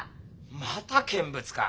また見物か。